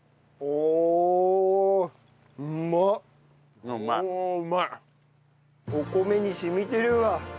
お米に染みてるわ。